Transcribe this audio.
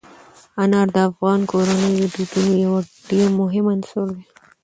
انار د افغان کورنیو د دودونو یو ډېر مهم عنصر دی.